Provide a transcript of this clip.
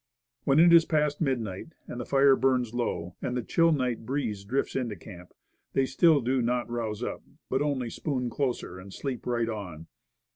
When it is past midnight, the fire burns low, and the chill night breeze drifts into camp, they still do not rouse up, but only spoon closer, and sleep right on.